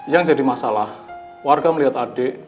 yang jadi masalah warga melihat adik